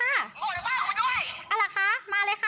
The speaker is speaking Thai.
หมดบ้านของมึงด้วยเอาล่ะค่ะมาเลยค่ะสัญญามีค่ะ